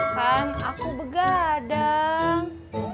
kan aku begadang